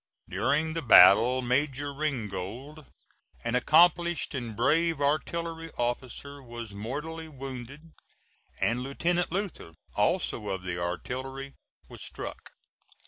During the battle Major Ringgold, an accomplished and brave artillery officer, was mortally wounded, and Lieutenant Luther, also of the artillery, was struck.